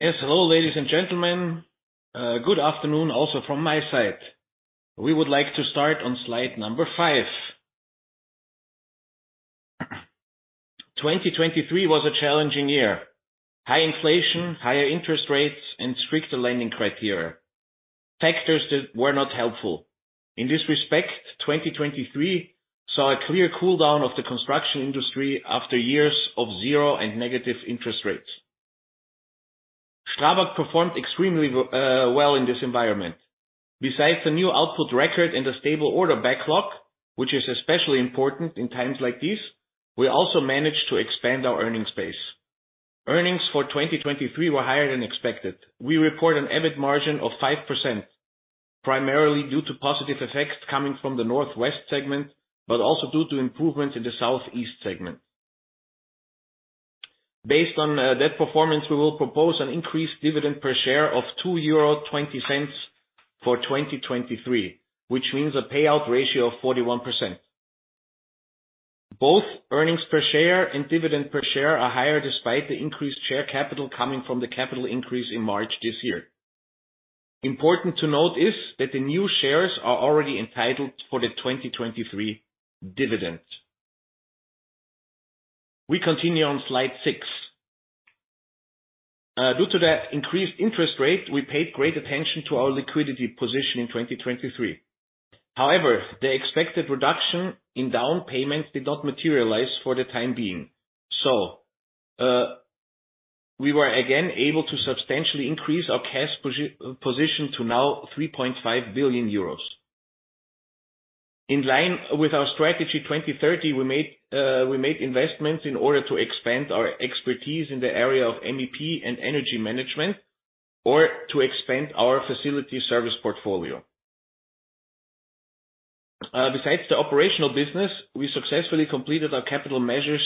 Yes, hello, ladies and gentlemen. Good afternoon, also from my side. We would like to start on slide number five. 2023 was a challenging year. High inflation, higher interest rates, and stricter lending criteria, factors that were not helpful. In this respect, 2023 saw a clear cool down of the construction industry after years of zero and negative interest rates. STRABAG performed extremely well in this environment. Besides the new output record and the stable order backlog, which is especially important in times like these, we also managed to expand our earning space. Earnings for 2023 were higher than expected. We report an EBIT margin of 5%, primarily due to positive effects coming from the Northwest segment, but also due to improvements in the Southeast segment. Based on that performance, we will propose an increased dividend per share of 2.20 euro for 2023, which means a payout ratio of 41%. Both earnings per share and dividend per share are higher, despite the increased share capital coming from the capital increase in March this year. Important to note is that the new shares are already entitled for the 2023 dividend. We continue on slide six. Due to that increased interest rate, we paid great attention to our liquidity position in 2023. However, the expected reduction in down payments did not materialize for the time being. So, we were again able to substantially increase our cash position to now 3.5 billion euros. In line with our strategy, 2030, we made investments in order to expand our expertise in the area of MEP and energy management, or to expand our facility service portfolio. Besides the operational business, we successfully completed our capital measures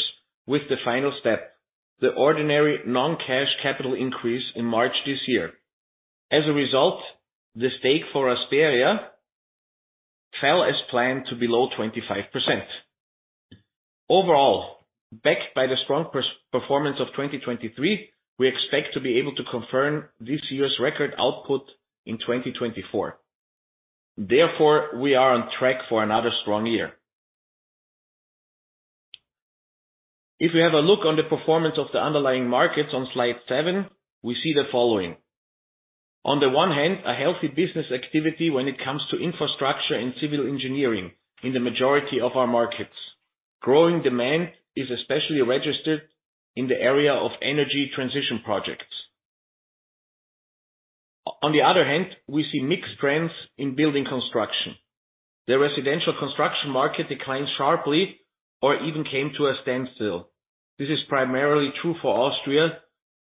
with the final step, the ordinary non-cash capital increase in March this year. As a result, the stake for Rasperia fell as planned to below 25%. Overall, backed by the strong performance of 2023, we expect to be able to confirm this year's record output in 2024. Therefore, we are on track for another strong year. If we have a look at the performance of the underlying markets on slide seven, we see the following. On the one hand, a healthy business activity when it comes to infrastructure and civil engineering in the majority of our markets. Growing demand is especially registered in the area of energy transition projects. On the other hand, we see mixed trends in building construction. The residential construction market declined sharply or even came to a standstill. This is primarily true for Austria,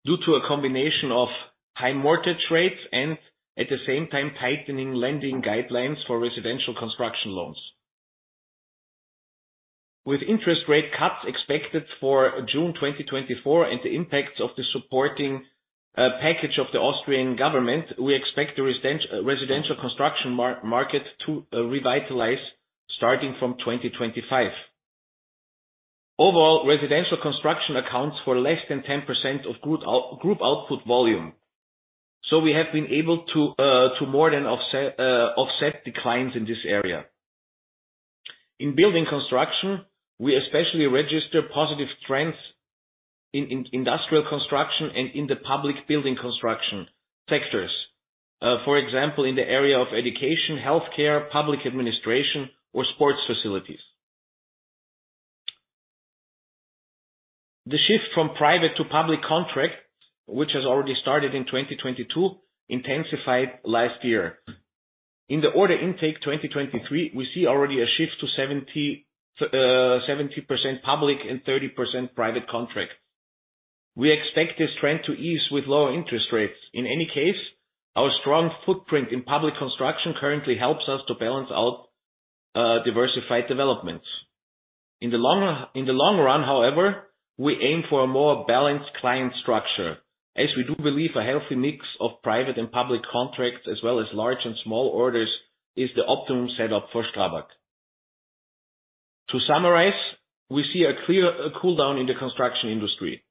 due to a combination of high mortgage rates and, at the same time, tightening lending guidelines for residential construction loans. With interest rate cuts expected for June 2024, and the impacts of the supporting package of the Austrian government, we expect the residential construction market to revitalize starting from 2025. Overall, residential construction accounts for less than 10% of group output volume, so we have been able to more than offset declines in this area. In building construction, we especially register positive trends in industrial construction and in the public building construction sectors. For example, in the area of education, healthcare, public administration, or sports facilities. The shift from private to public contract, which has already started in 2022, intensified last year. In the order intake 2023, we see already a shift to 70, 70% public and 30% private contract. We expect this trend to ease with lower interest rates. In any case, our strong footprint in public construction currently helps us to balance out, diversified developments. In the long run, however, we aim for a more balanced client structure, as we do believe a healthy mix of private and public contracts, as well as large and small orders, is the optimum setup for STRABAG. To summarize, we see a clear cool down in the construction industry,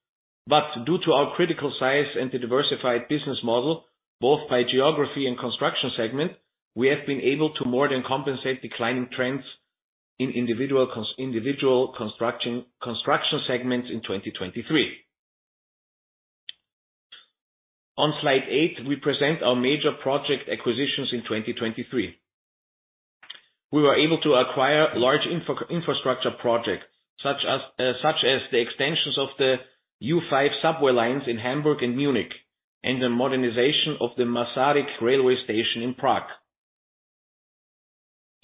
but due to our critical size and the diversified business model, both by geography and construction segment, we have been able to more than compensate declining trends in individual construction segments in 2023. On slide eight, we present our major project acquisitions in 2023. We were able to acquire large infrastructure projects, such as the extensions of the U5 subway lines in Hamburg and Munich, and the modernization of the Masaryk Railway Station in Prague.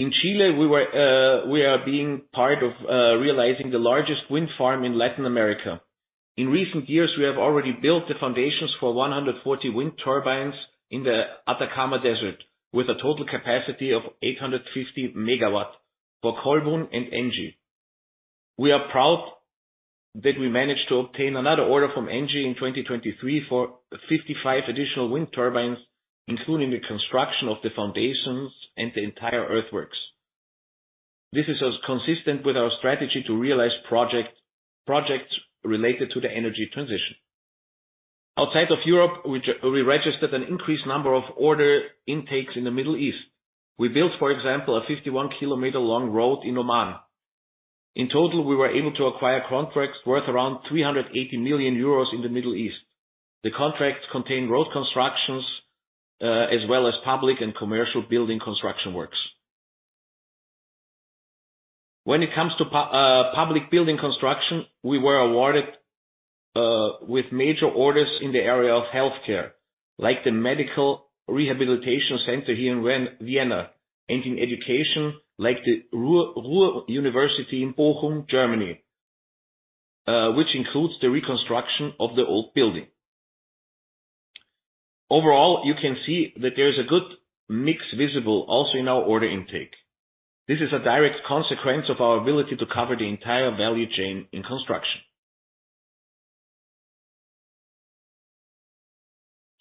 In Chile, we were, we are being part of, realizing the largest wind farm in Latin America. In recent years, we have already built the foundations for 140 wind turbines in the Atacama Desert, with a total capacity of 850 MW for Colbún and ENGIE. We are proud that we managed to obtain another order from ENGIE in 2023 for 55 additional wind turbines, including the construction of the foundations and the entire earthworks. This is also consistent with our strategy to realize projects related to the energy transition. Outside of Europe, we registered an increased number of order intakes in the Middle East. We built, for example, a 51-kilometer-long road in Oman. In total, we were able to acquire contracts worth around 380 million euros in the Middle East. The contracts contain road constructions, as well as public and commercial building construction works. When it comes to public building construction, we were awarded with major orders in the area of healthcare, like the Medical Rehabilitation Center here in Vienna, and in education, like the Ruhr University in Bochum, Germany, which includes the reconstruction of the old building. Overall, you can see that there is a good mix visible also in our order intake. This is a direct consequence of our ability to cover the entire value chain in construction.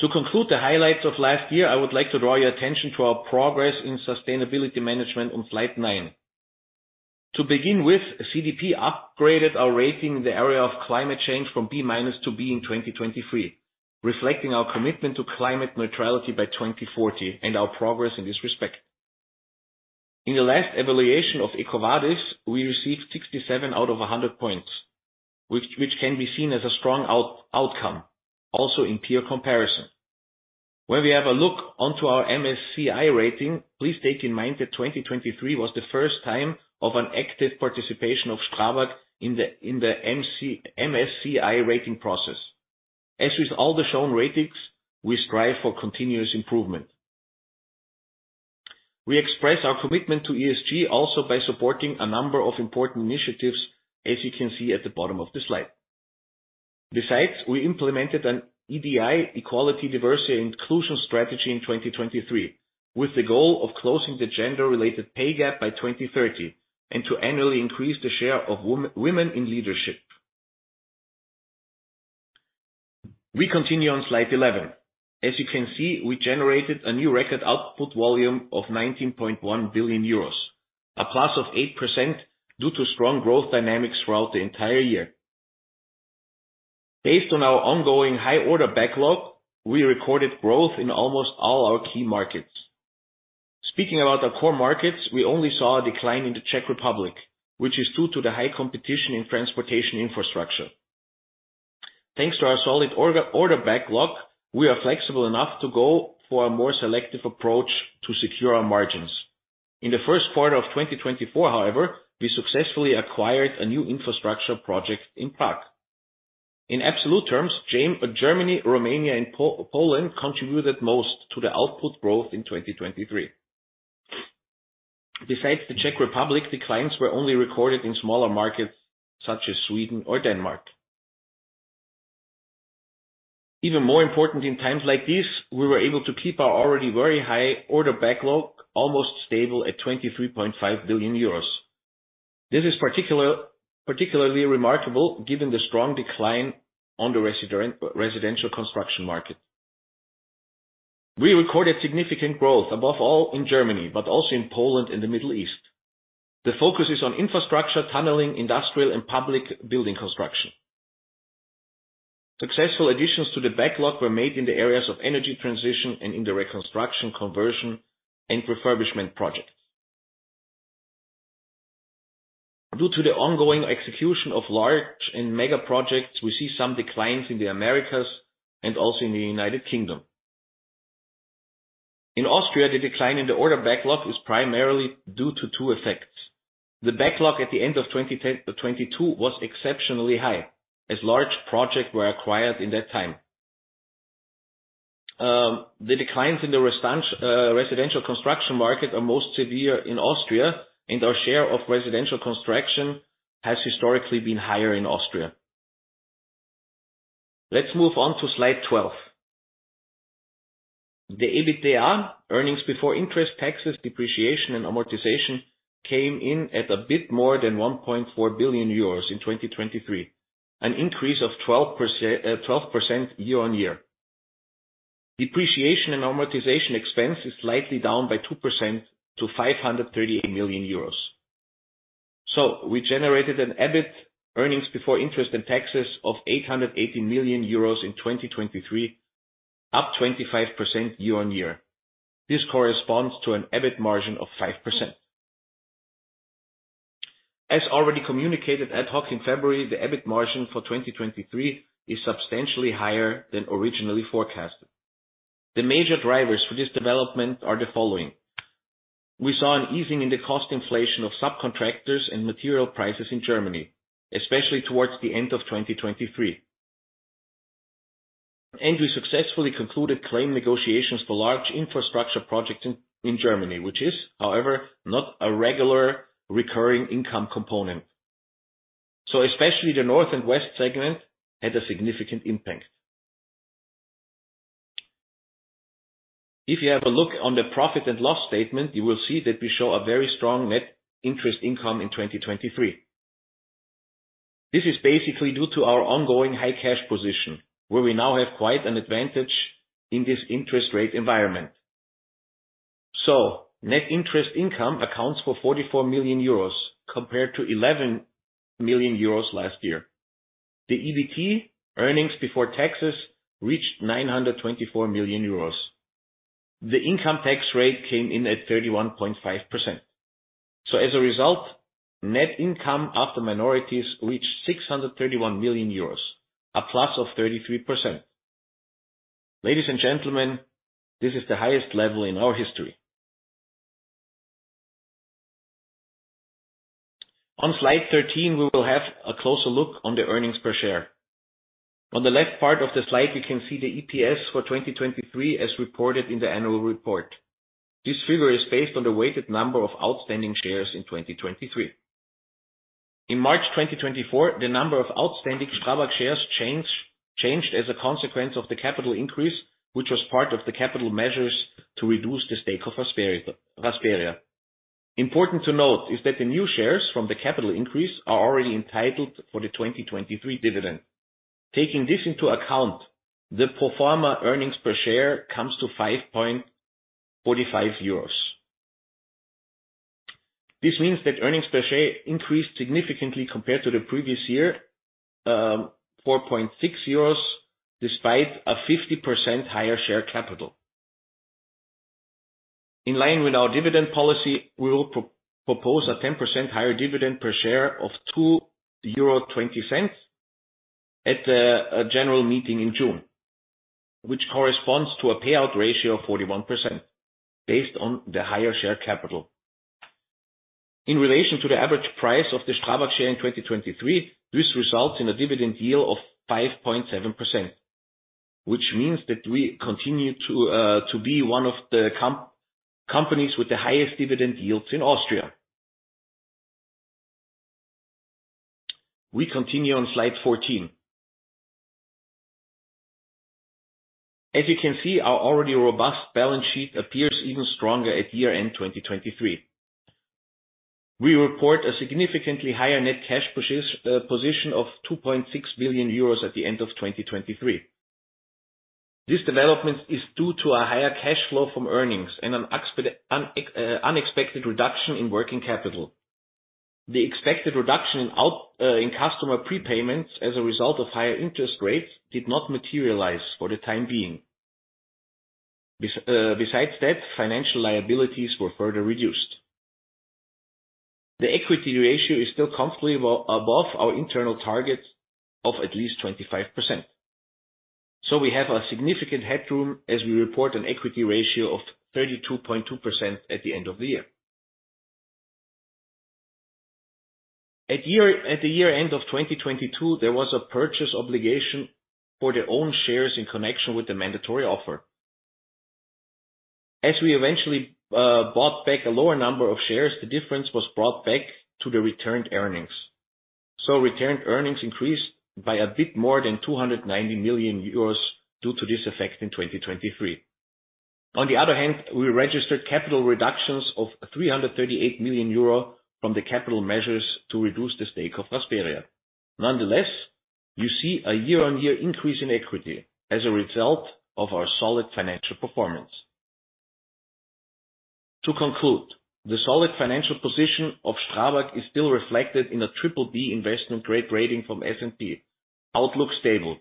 To conclude the highlights of last year, I would like to draw your attention to our progress in sustainability management on slide nine. To begin with, CDP upgraded our rating in the area of climate change from B-minus to B in 2023, reflecting our commitment to climate neutrality by 2040, and our progress in this respect. In the last evaluation of EcoVadis, we received 67 out of 100 points, which can be seen as a strong outcome, also in peer comparison. When we have a look onto our MSCI rating, please take in mind that 2023 was the first time of an active participation of STRABAG in the MSCI rating process. As with all the shown ratings, we strive for continuous improvement. We express our commitment to ESG also by supporting a number of important initiatives, as you can see at the bottom of the slide. Besides, we implemented an EDI, Equality, Diversity, and Inclusion strategy in 2023, with the goal of closing the gender-related pay gap by 2030, and to annually increase the share of women in leadership. We continue on slide 11. As you can see, we generated a new record output volume of 19.1 billion euros, a +8% due to strong growth dynamics throughout the entire year. Based on our ongoing high order backlog, we recorded growth in almost all our key markets. Speaking about our core markets, we only saw a decline in the Czech Republic, which is due to the high competition in transportation infrastructure. Thanks to our solid order backlog, we are flexible enough to go for a more selective approach to secure our margins. In the Q1 of 2024, however, we successfully acquired a new infrastructure project in Prague. In absolute terms, Germany, Romania, and Poland contributed most to the output growth in 2023. Besides the Czech Republic, declines were only recorded in smaller markets such as Sweden or Denmark. Even more important in times like these, we were able to keep our already very high order backlog almost stable at 23.5 billion euros. This is particularly remarkable, given the strong decline on the residential construction market. We recorded significant growth, above all in Germany, but also in Poland and the Middle East. The focus is on infrastructure, tunneling, industrial, and public building construction. Successful additions to the backlog were made in the areas of energy transition and in the reconstruction, conversion, and refurbishment projects. Due to the ongoing execution of large and mega projects, we see some declines in the Americas and also in the United Kingdom, In Austria, the decline in the order backlog is primarily due to two effects. The backlog at the end of 2022 was exceptionally high, as large projects were acquired in that time. The declines in the residential construction market are most severe in Austria, and our share of residential construction has historically been higher in Austria. Let's move on to slide 12. The EBITDA, earnings before interest, taxes, depreciation, and amortization, came in at a bit more than 1.4 billion euros in 2023, an increase of 12% year-on-year. Depreciation and amortization expense is slightly down by 2% to 538 million euros. So we generated an EBIT, earnings before interest and taxes, of 880 million euros in 2023, up 25% year-on-year. This corresponds to an EBIT margin of 5%. As already communicated ad hoc in February, the EBIT margin for 2023 is substantially higher than originally forecasted. The major drivers for this development are the following: We saw an easing in the cost inflation of subcontractors and material prices in Germany, especially towards the end of 2023. We successfully concluded claim negotiations for large infrastructure projects in Germany, which is, however, not a regular recurring income component. So especially the north and west segment had a significant impact. If you have a look on the profit and loss statement, you will see that we show a very strong net interest income in 2023. This is basically due to our ongoing high cash position, where we now have quite an advantage in this interest rate environment. So net interest income accounts for 44 million euros, compared to 11 million euros last year. The EBT, earnings before taxes, reached 924 million euros. The income tax rate came in at 31.5%. As a result, net income after minorities reached 631 million euros, a +33%. Ladies and gentlemen, this is the highest level in our history. On slide 13, we will have a closer look on the earnings per share. On the left part of the slide, you can see the EPS for 2023, as reported in the annual report. This figure is based on the weighted number of outstanding shares in 2023. In March 2024, the number of outstanding STRABAG shares changed as a consequence of the capital increase, which was part of the capital measures to reduce the stake of Rasperia. Important to note is that the new shares from the capital increase are already entitled for the 2023 dividend. Taking this into account, the pro forma earnings per share comes to 5.45 euros. This means that earnings per share increased significantly compared to the previous year, 4.6 euros, despite a 50% higher share capital. In line with our dividend policy, we will propose a 10% higher dividend per share of 2.20 euro at the general meeting in June, which corresponds to a payout ratio of 41%, based on the higher share capital. In relation to the average price of the STRABAG share in 2023, this results in a dividend yield of 5.7%, which means that we continue to be one of the companies with the highest dividend yields in Austria. We continue on slide 14. As you can see, our already robust balance sheet appears even stronger at year-end 2023. We report a significantly higher net cash position of 2.6 billion euros at the end of 2023. This development is due to a higher cash flow from earnings and an unexpected reduction in working capital. The expected reduction in customer prepayments as a result of higher interest rates did not materialize for the time being. Besides that, financial liabilities were further reduced. The equity ratio is still comfortably above our internal target of at least 25%, so we have a significant headroom as we report an equity ratio of 32.2% at the end of the year. At the year end of 2022, there was a purchase obligation for the own shares in connection with the mandatory offer. As we eventually bought back a lower number of shares, the difference was brought back to the returned earnings. So returned earnings increased by a bit more than 290 million euros due to this effect in 2023. On the other hand, we registered capital reductions of 338 million euro from the capital measures to reduce the stake of Rasperia. Nonetheless, you see a year-on-year increase in equity as a result of our solid financial performance. To conclude, the solid financial position of STRABAG is still reflected in a triple B investment grade rating from S&P. Outlook stable,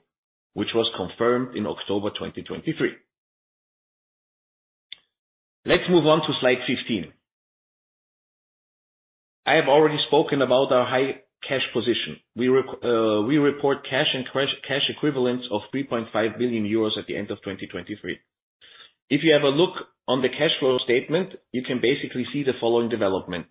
which was confirmed in October 2023. Let's move on to slide 15. I have already spoken about our high cash position. We report cash and cash equivalents of 3.5 billion euros at the end of 2023. If you have a look on the cash flow statement, you can basically see the following development.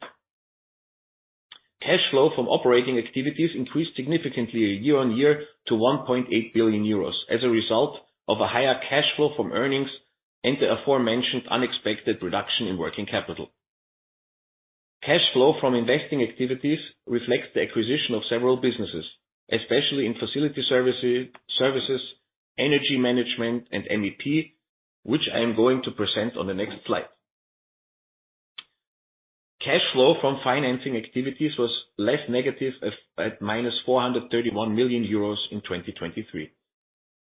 Cash flow from operating activities increased significantly year-on-year to 1.8 billion euros, as a result of a higher cash flow from earnings and the aforementioned unexpected reduction in working capital. Cash flow from investing activities reflects the acquisition of several businesses, especially in facility services, services, energy management, and MEP, which I am going to present on the next slide. Cash flow from financing activities was less negative as at -431 million euros in 2023.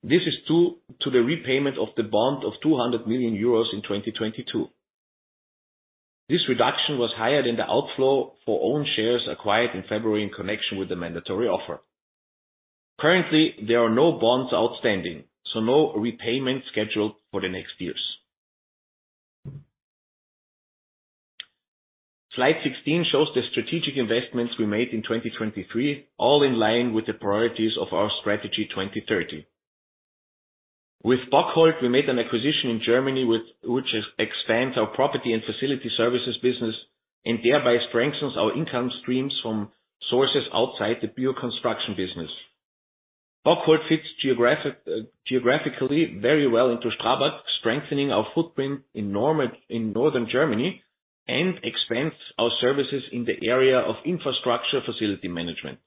This is due to the repayment of the bond of 200 million euros in 2022. This reduction was higher than the outflow for own shares acquired in February in connection with the mandatory offer. Currently, there are no bonds outstanding, so no repayment scheduled for the next years. Slide 16 shows the strategic investments we made in 2023, all in line with the priorities of our Strategy 2030. With Bockholdt, we made an acquisition in Germany, which expands our property and facility services business, and thereby strengthens our income streams from sources outside the pure construction business. Bockholdt fits geographically very well into STRABAG, strengthening our footprint in northern Germany, and expands our services in the area of infrastructure facility management.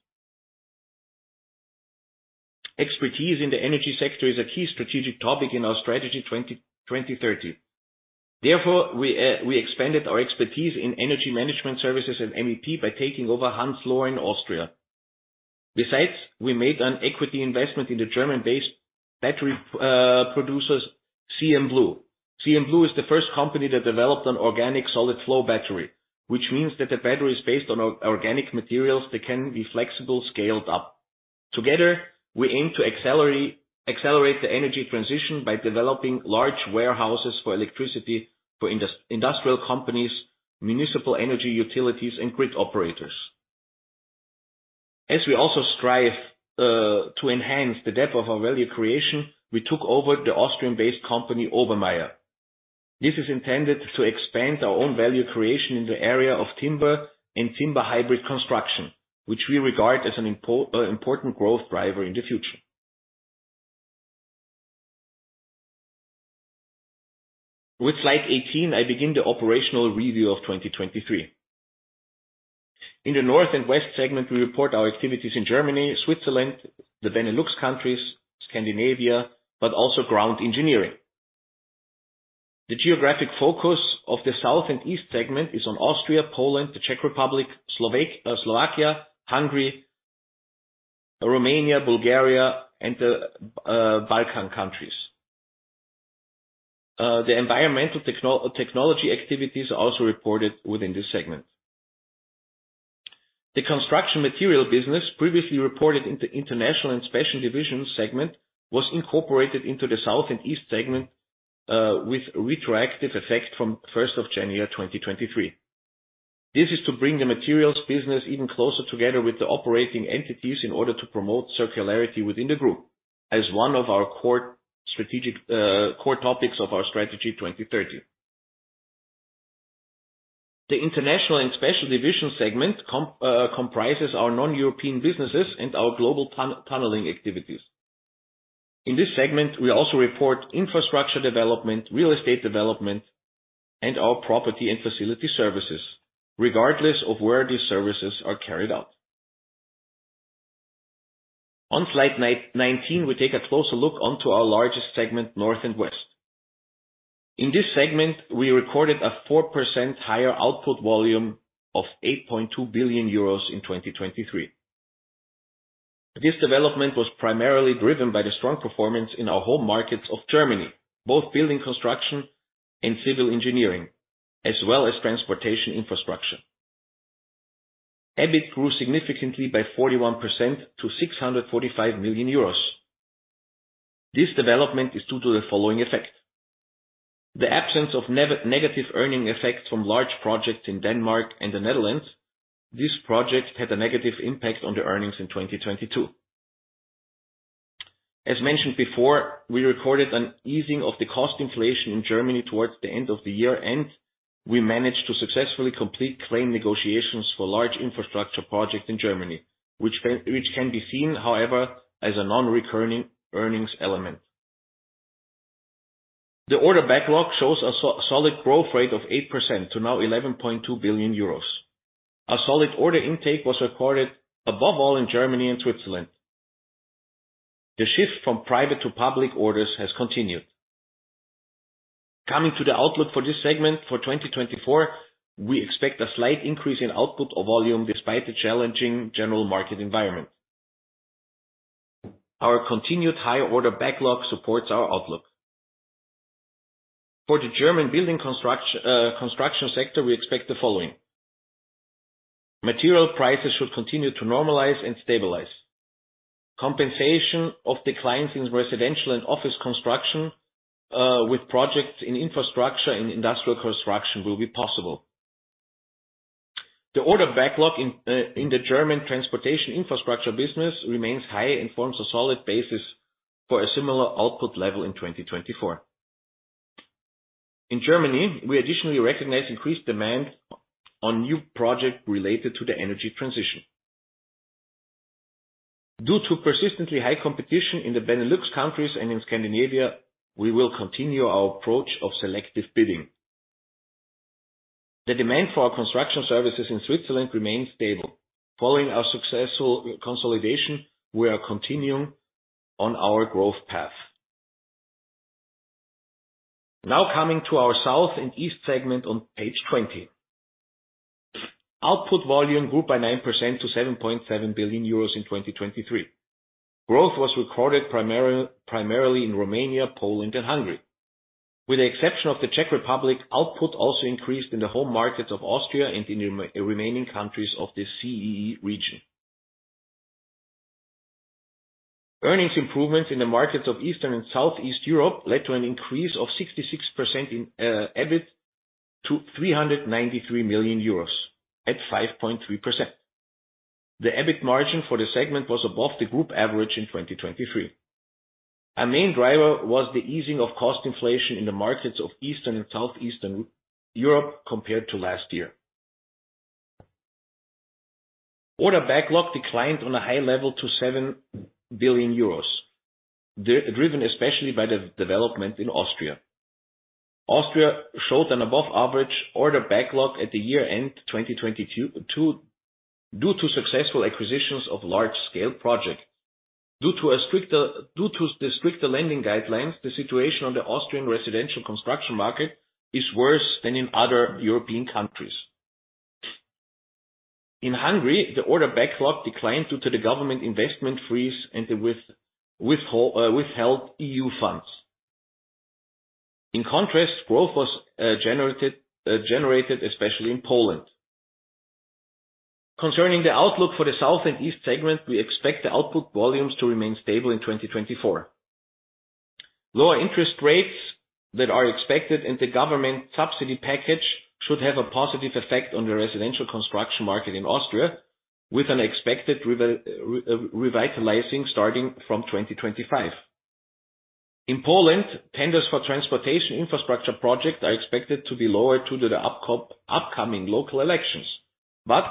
Expertise in the energy sector is a key strategic topic in our Strategy 2030. Therefore, we expanded our expertise in energy management services and MEP by taking over Hans Lohr in Austria. Besides, we made an equity investment in the German-based battery producers, CMBlu. CMBlu is the first company that developed an organic solid flow battery, which means that the battery is based on organic materials that can be flexible, scaled up. Together, we aim to accelerate the energy transition by developing large warehouses for electricity, for industrial companies, municipal energy utilities, and grid operators. As we also strive to enhance the depth of our value creation, we took over the Austrian-based company, Obermayr. This is intended to expand our own value creation in the area of timber and timber hybrid construction, which we regard as an important growth driver in the future. With slide 18, I begin the operational review of 2023. In the North and West segment, we report our activities in Germany, Switzerland, the Benelux countries, Scandinavia, but also ground engineering. The geographic focus of the South and East segment is on Austria, Poland, the Czech Republic, Slovakia, Hungary, Romania, Bulgaria, and the Balkan countries. The environmental technology activities are also reported within this segment. The construction material business, previously reported in the international and special divisions segment, was incorporated into the South and East segment with retroactive effect from January 1, 2023. This is to bring the materials business even closer together with the operating entities in order to promote circularity within the group, as one of our core strategic core topics of our strategy 2030. The international and special division segment comprises our non-European businesses and our global tunneling activities. In this segment, we also report infrastructure development, real estate development, and our property and facility services, regardless of where these services are carried out. On slide 19, we take a closer look onto our largest segment, North and West. In this segment, we recorded a 4% higher output volume of 8.2 billion euros in 2023. This development was primarily driven by the strong performance in our home markets of Germany, both building, construction, and civil engineering, as well as transportation infrastructure. EBIT grew significantly by 41% to 645 million euros. This development is due to the following effect: The absence of negative earning effects from large projects in Denmark and the Netherlands. This project had a negative impact on the earnings in 2022. As mentioned before, we recorded an easing of the cost inflation in Germany towards the end of the year, and we managed to successfully complete claim negotiations for large infrastructure projects in Germany, which can be seen, however, as a non-recurring earnings element. The order backlog shows a solid growth rate of 8% to now 11.2 billion euros. A solid order intake was recorded above all in Germany and Switzerland. The shift from private to public orders has continued. Coming to the outlook for this segment for 2024, we expect a slight increase in output or volume, despite the challenging general market environment. Our continued high order backlog supports our outlook. For the German building construction sector, we expect the following: Material prices should continue to normalize and stabilize. Compensation of declines in residential and office construction with projects in infrastructure and industrial construction will be possible. The order backlog in the German transportation infrastructure business remains high and forms a solid basis for a similar output level in 2024. In Germany, we additionally recognize increased demand on new projects related to the energy transition. Due to persistently high competition in the Benelux countries and in Scandinavia, we will continue our approach of selective bidding. The demand for our construction services in Switzerland remains stable. Following our successful consolidation, we are continuing on our growth path. Now coming to our South and East segment on page 20. Output volume grew by 9% to 7.7 billion euros in 2023. Growth was recorded primarily in Romania, Poland, and Hungary. With the exception of the Czech Republic, output also increased in the home markets of Austria and in the remaining countries of the CEE region. Earnings improvements in the markets of Eastern and Southeast Europe led to an increase of 66% in EBIT to 393 million euros, at 5.3%. The EBIT margin for the segment was above the group average in 2023. Our main driver was the easing of cost inflation in the markets of Eastern and Southeastern Europe compared to last year. Order backlog declined on a high level to 7 billion euros, driven especially by the development in Austria. Austria showed an above average order backlog at the year-end 2022, due to successful acquisitions of large-scale project. Due to the stricter lending guidelines, the situation on the Austrian residential construction market is worse than in other European countries. In Hungary, the order backlog declined due to the government investment freeze and the withheld EU funds. In contrast, growth was generated, especially in Poland. Concerning the outlook for the South and East segment, we expect the output volumes to remain stable in 2024. Lower interest rates that are expected, and the government subsidy package should have a positive effect on the residential construction market in Austria, with an expected revitalizing starting from 2025. In Poland, tenders for transportation infrastructure projects are expected to be lower due to the upcoming local elections, but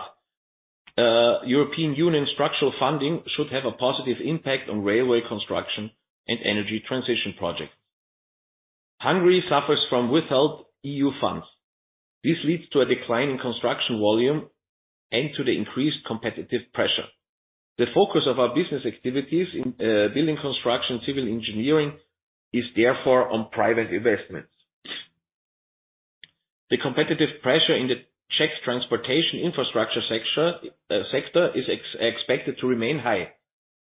European Union structural funding should have a positive impact on railway construction and energy transition projects. Hungary suffers from withheld EU funds. This leads to a decline in construction volume and to the increased competitive pressure. The focus of our business activities in building construction, civil engineering, is therefore on private investments. The competitive pressure in the Czech transportation infrastructure sector is expected to remain high.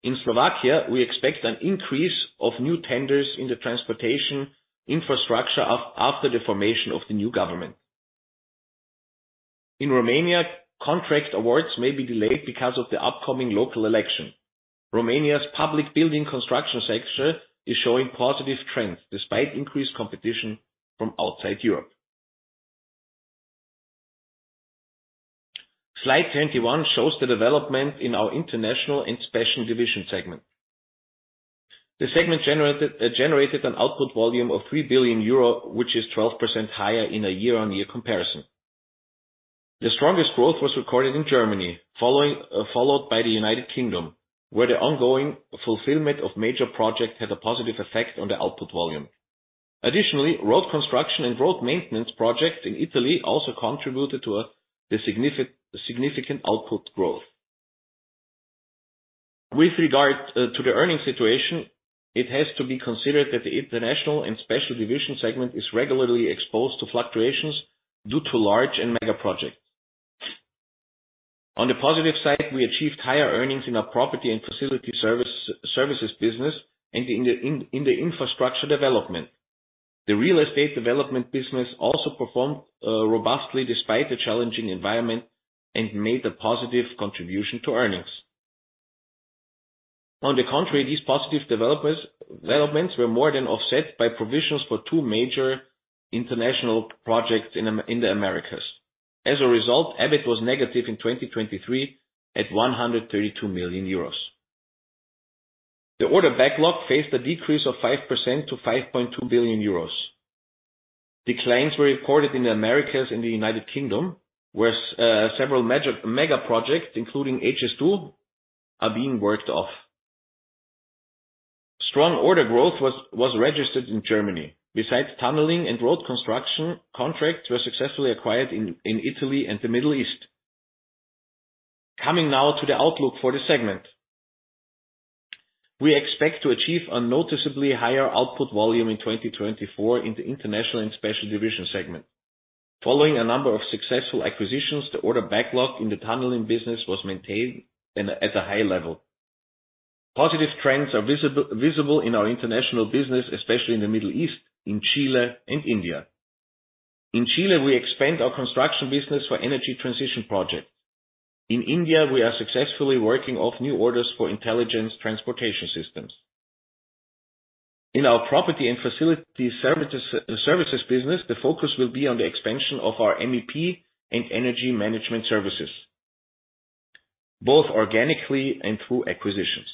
In Slovakia, we expect an increase of new tenders in the transportation infrastructure after the formation of the new government. In Romania, contract awards may be delayed because of the upcoming local election. Romania's public building construction sector is showing positive trends, despite increased competition from outside Europe. Slide 21 shows the development in our international and special division segment. The segment generated an output volume of 3 billion euro, which is 12% higher in a year-on-year comparison. The strongest growth was recorded in Germany, following, followed by the United Kingdom, where the ongoing fulfillment of major projects had a positive effect on the output volume. Additionally, road construction and road maintenance projects in Italy also contributed to the significant output growth. With regard to the earnings situation, it has to be considered that the international and special division segment is regularly exposed to fluctuations due to large and mega projects. On the positive side, we achieved higher earnings in our property and facility services business and in the infrastructure development. The real estate development business also performed robustly despite the challenging environment, and made a positive contribution to earnings. On the contrary, these positive developments were more than offset by provisions for two major international projects in the Americas. As a result, EBIT was negative in 2023, at 132 million euros. The order backlog faced a decrease of 5% to 5.2 billion euros. Declines were recorded in the Americas and the United Kingdom, where several mega projects, including HS2, are being worked off. Strong order growth was registered in Germany. Besides, tunneling and road construction, contracts were successfully acquired in Italy and the Middle East. Coming now to the outlook for the segment. We expect to achieve a noticeably higher output volume in 2024 in the international and special division segment. Following a number of successful acquisitions, the order backlog in the tunneling business was maintained at a high level. Positive trends are visible in our international business, especially in the Middle East, in Chile and India. In Chile, we expand our construction business for energy transition projects. In India, we are successfully working on new orders for intelligent transportation systems. In our property and facility services business, the focus will be on the expansion of our MEP and energy management services, both organically and through acquisitions.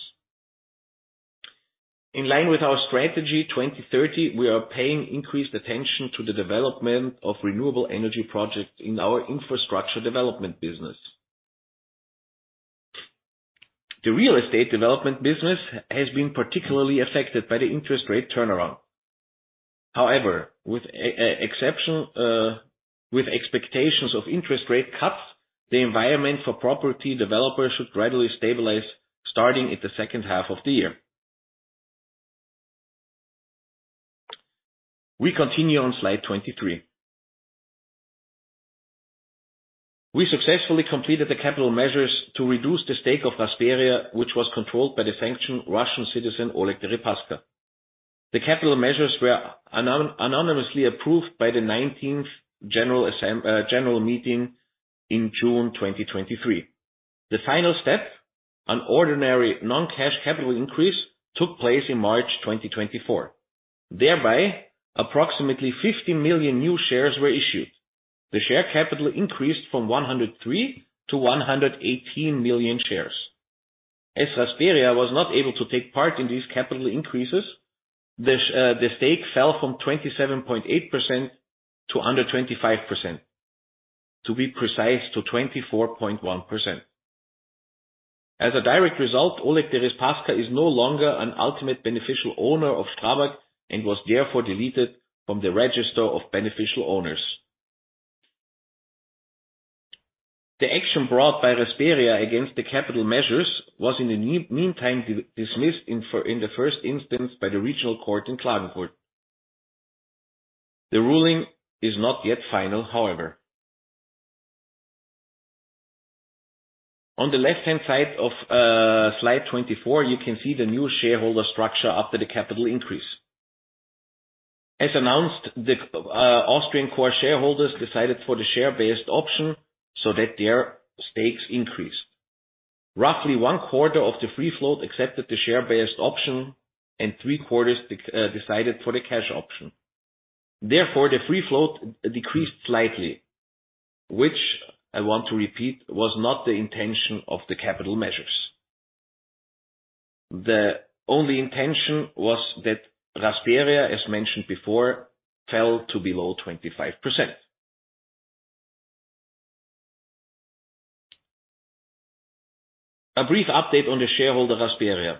In line with our strategy, 2030, we are paying increased attention to the development of renewable energy projects in our infrastructure development business. The real estate development business has been particularly affected by the interest rate turnaround. However, with expectations of interest rate cuts, the environment for property developers should gradually stabilize, starting in the second half of the year. We continue on slide 23. We successfully completed the capital measures to reduce the stake of Rasperia, which was controlled by the sanctioned Russian citizen, Oleg Deripaska. The capital measures were anonymously approved by the nineteenth General Meeting in June 2023. The final step, an ordinary non-cash capital increase, took place in March 2024. Thereby, approximately 50 million new shares were issued. The share capital increased from 103 to 118 million shares. As Rasperia was not able to take part in these capital increases, the stake fell from 27.8% to under 25%, to be precise, to 24.1%.... As a direct result, Oleg Deripaska is no longer an ultimate beneficial owner of STRABAG, and was therefore deleted from the register of beneficial owners. The action brought by Rasperia against the capital measures was in the meantime dismissed in the first instance by the Regional Court in Klagenfurt. The ruling is not yet final, however. On the left-hand side of slide 24, you can see the new shareholder structure after the capital increase. As announced, the Austrian core shareholders decided for the share-based option, so that their stakes increased. Roughly one quarter of the free float accepted the share-based option, and three quarters decided for the cash option. Therefore, the free float decreased slightly, which I want to repeat, was not the intention of the capital measures. The only intention was that Rasperia, as mentioned before, fell to below 25%. A brief update on the shareholder, Rasperia.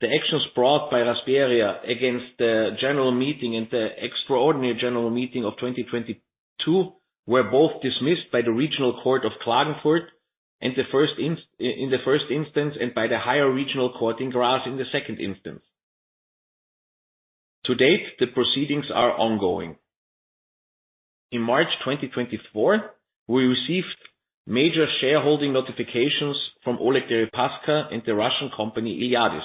The actions brought by Rasperia against the general meeting and the extraordinary general meeting of 2022 were both dismissed by the Regional Court of Klagenfurt in the first instance, and by the Higher Regional Court in Graz in the second instance. To date, the proceedings are ongoing. In March 2024, we received major shareholding notifications from Oleg Deripaska and the Russian company, Iliadis.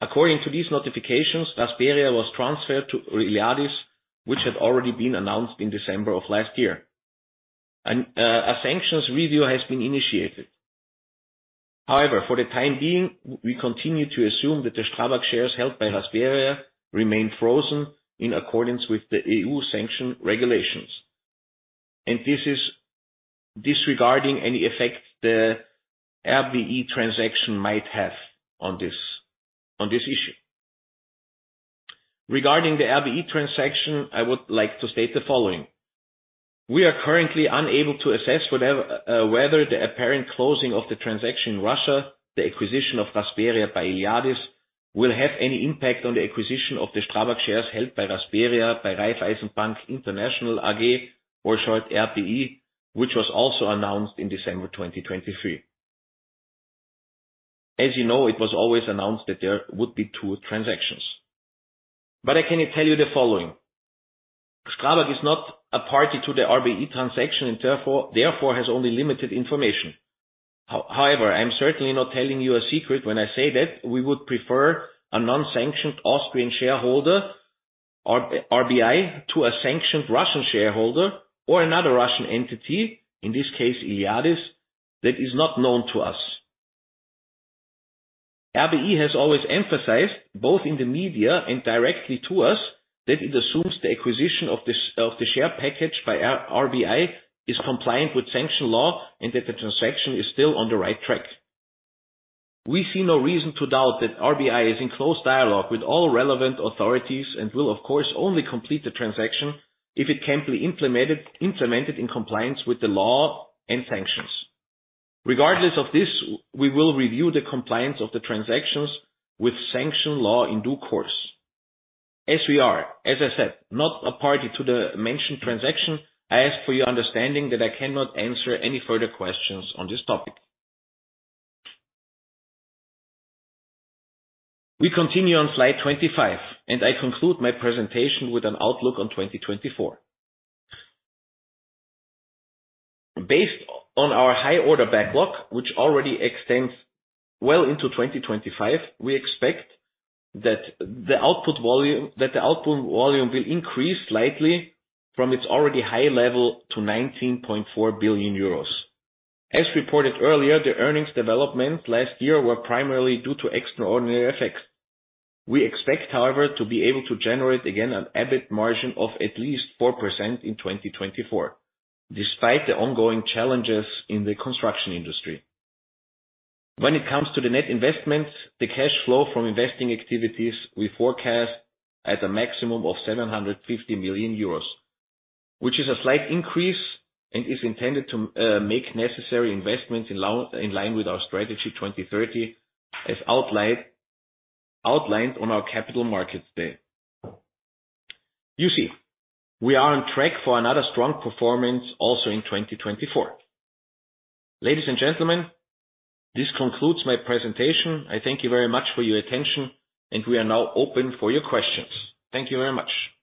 According to these notifications, Rasperia was transferred to Iliadis, which had already been announced in December of last year. A sanctions review has been initiated. However, for the time being, we continue to assume that the Strabag shares held by Rasperia remain frozen in accordance with the EU sanction regulations. And this is disregarding any effect the RBI transaction might have on this, on this issue. Regarding the RBI transaction, I would like to state the following: We are currently unable to assess whether the apparent closing of the transaction in Russia, the acquisition of Rasperia by Iliadis, will have any impact on the acquisition of the Strabag shares held by Rasperia, by Raiffeisen Bank International AG, or short RBI, which was also announced in December 2023. As you know, it was always announced that there would be two transactions. But I can tell you the following: STRABAG is not a party to the RBI transaction, and therefore, has only limited information. However, I'm certainly not telling you a secret when I say that we would prefer a non-sanctioned Austrian shareholder, RBI, to a sanctioned Russian shareholder or another Russian entity, in this case, Iliadis, that is not known to us. RBI has always emphasized, both in the media and directly to us, that it assumes the acquisition of the share package by RBI, is compliant with sanction law, and that the transaction is still on the right track. We see no reason to doubt that RBI is in close dialogue with all relevant authorities, and will, of course, only complete the transaction if it can be implemented, implemented in compliance with the law and sanctions. Regardless of this, we will review the compliance of the transactions with sanction law in due course. As we are, as I said, not a party to the mentioned transaction, I ask for your understanding that I cannot answer any further questions on this topic. We continue on slide 25, and I conclude my presentation with an outlook on 2024. Based on our high order backlog, which already extends well into 2025, we expect that the output volume, that the output volume will increase slightly from its already high level to 19.4 billion euros. As reported earlier, the earnings development last year were primarily due to extraordinary effects. We expect, however, to be able to generate, again, an EBIT margin of at least 4% in 2024, despite the ongoing challenges in the construction industry. When it comes to the net investments, the cash flow from investing activities, we forecast at a maximum of 750 million euros. Which is a slight increase and is intended to make necessary investments in line with our strategy 2030, as outlined on our capital markets day. You see, we are on track for another strong performance also in 2024. Ladies and gentlemen, this concludes my presentation. I thank you very much for your attention, and we are now open for your questions. Thank you very much!